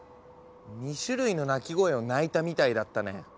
２種類の鳴き声を鳴いたみたいだったね。